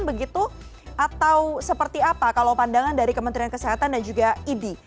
begitu atau seperti apa kalau pandangan dari kementerian kesehatan dan juga idi